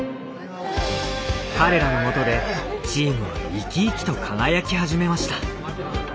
彼らのもとでチームはイキイキと輝き始めました。